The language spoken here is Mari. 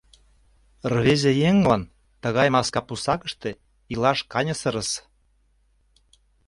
Рвезе еҥлан тыгай маска пусакыште илаш каньысырыс.